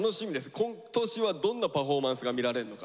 今年はどんなパフォーマンスが見られるのか。